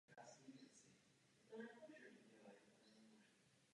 Podle mého soudu musíme usilovat o následující postup.